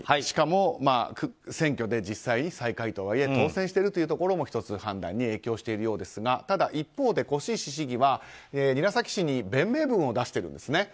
しかも、選挙で実際に最下位とはいえ当選しているというところも１つ判断に影響しているようですがただ、一方で輿石市議は韮崎市に弁明文を出しています。